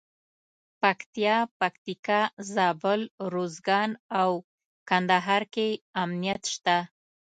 پکتیا، پکتیکا، زابل، روزګان او کندهار کې امنیت شته.